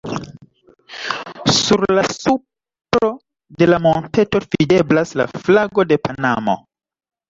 Sur la supro de la monteto, videblas la flago de Panamo.